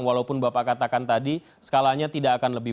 walaupun bapak katakan tadi skalanya tidak akan lebih